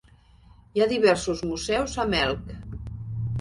Hi ha diversos museus a Melk.